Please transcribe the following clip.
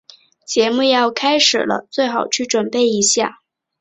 节目要开始了，最好去准备一下。